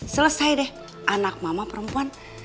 selesai deh anak mama perempuan